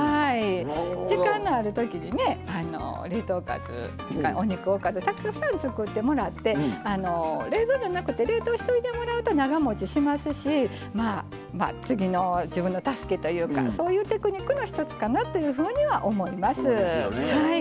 時間のあるときにね冷凍おかずお肉おかずたくさん作ってもらって冷蔵じゃなくて冷凍しといてもらうと長もちしますしまあ次の自分の助けというかそういうテクニックの一つかなというふうには思います。